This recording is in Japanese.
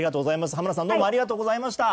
浜野さんありがとうございました。